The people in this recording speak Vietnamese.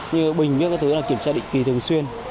như bình như các thứ kiểm tra định kỳ thường xuyên